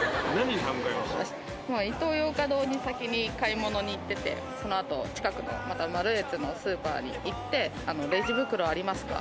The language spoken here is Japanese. イトーヨーカドーに買い物に行ってて、そのあと近くの、マルエツのスーパーに行って、レジ袋ありますか？